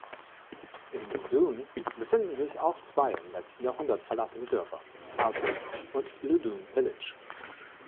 In Loudoun befanden sich auch zwei im letzten Jahrhundert verlassene Dörfer, „Alton“ und „Loudoun Village“.